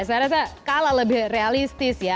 saya rasa kalah lebih realistis ya